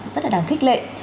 rất là đáng khích lệ